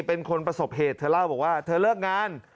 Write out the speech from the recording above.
เป็นคนประสบเหตุเธอเล่าบอกว่าเธอเลิกงาน